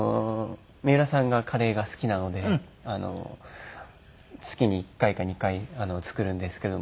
三浦さんがカレーが好きなので月に１回か２回作るんですけども。